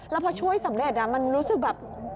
แล้วพอช่วยสำเร็จมันรู้สึกแบบ